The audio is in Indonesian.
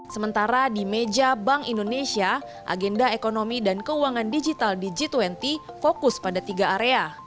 sementara di meja bank indonesia agenda ekonomi dan keuangan digital di g dua puluh fokus pada tiga area